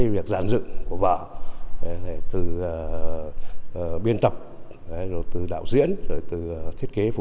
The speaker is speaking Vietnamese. vàng vật tốt đẹp